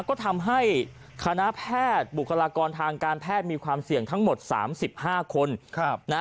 ก็ทำให้คณะแพทย์บุคลากรทางการแพทย์มีความเสี่ยงทั้งหมด๓๕คน